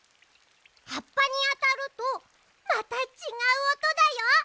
はっぱにあたるとまたちがうおとだよ。